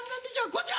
こちら！